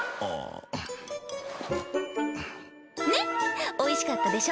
ねっおいしかったでしょ？